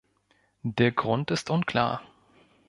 Der Grund ist unklar.